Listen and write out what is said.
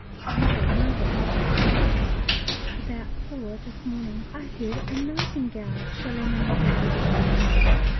We don't know what happens next. At about four this morning I heard a nightingale trilling in the garden.